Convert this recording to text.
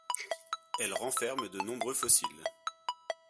Elle renferme de nombreux fossiles.